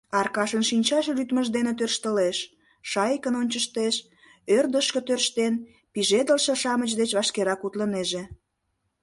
Аркашын шинчаже лӱдмыж дене тӧрштылеш, шайыкын ончыштеш: ӧрдыжкӧ тӧрштен, пижедылше-шамыч деч вашкерак утлынеже.